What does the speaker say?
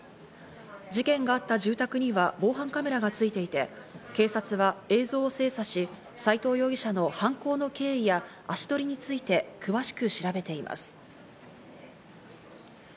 事件があった住宅には防犯カメラがついていて、警察は映像を精査し、斎藤容疑者の犯行の経緯や足取りについて詳しく調べています。